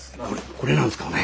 これなんですがね。